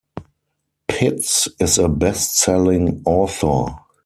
Pitts is a bestselling author.